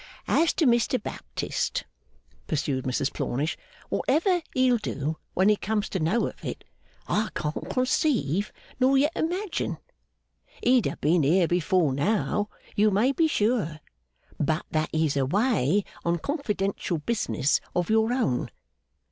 'As to Mr Baptist,' pursued Mrs Plornish, 'whatever he'll do when he comes to know of it, I can't conceive nor yet imagine. He'd have been here before now, you may be sure, but that he's away on confidential business of your own.